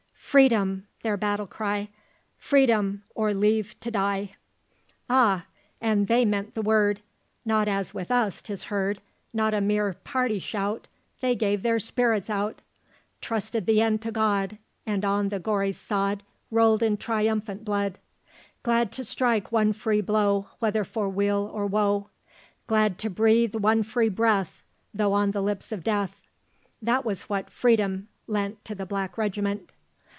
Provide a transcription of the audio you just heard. "Freedom!" their battle cry "Freedom! or leave to die!" Ah! and they meant the word Not as with us 'tis heard. Not a mere party shout, They gave their spirits out; Trusted the end to God, And on the gory sod Rolled in triumphant blood. Glad to strike one free blow, Whether for weal or woe; Glad to breathe one free breath, Though on the lips of death. This was what "Freedom" lent To the Black Regiment.